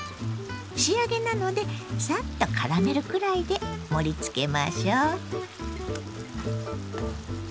仕上げなのでさっとからめるくらいで盛りつけましょう。